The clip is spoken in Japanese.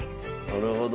なるほど。